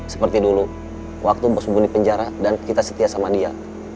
seperti dulu waktu bersembunyi di penjara dan kita setia sama dia